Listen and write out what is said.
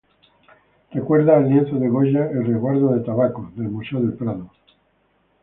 Recuerda al lienzo de Goya "El resguardo de tabacos" del Museo del Prado.